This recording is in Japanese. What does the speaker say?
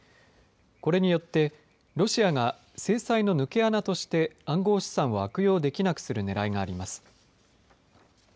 これによってロシアが制裁の抜け穴として暗号資産を悪用できなくするねらいがあります。